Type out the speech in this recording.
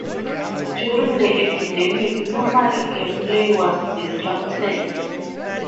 During the epidemic, normal gameplay was disrupted.